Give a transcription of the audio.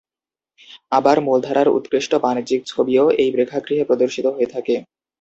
আবার মূলধারার উৎকৃষ্ট বাণিজ্যিক ছবিও এই প্রেক্ষাগৃহে প্রদর্শিত হয়ে থাকে।